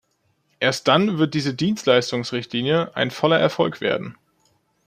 Erst dann wird diese Dienstleistungsrichtlinie ein voller Erfolg werden.